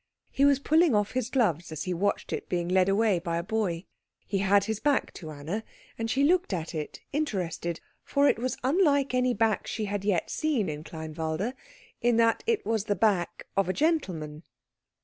He was pulling off his gloves as he watched it being led away by a boy. He had his back to Anna, and she looked at it interested, for it was unlike any back she had yet seen in Kleinwalde, in that it was the back of a gentleman.